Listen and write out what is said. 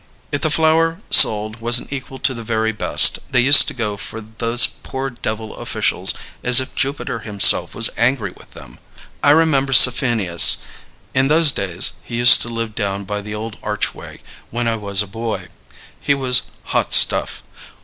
If the flour sold wasn't equal to the very best, they used to go for those poor devil officials as if Jupiter himself was angry with them. I remember Safinius. In those days he used to live down by the old archway, when I was a boy. He was hot stuff!